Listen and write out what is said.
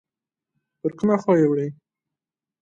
پر کومه خوا یې وړي؟